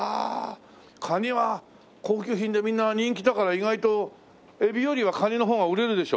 カニは高級品でみんな人気だから意外とエビよりはカニの方が売れるでしょ？